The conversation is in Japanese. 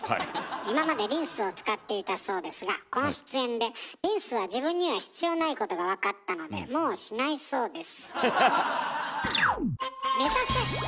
今までリンスを使っていたそうですがこの出演でリンスは自分には必要ないことが分かったのでもうしないそうです。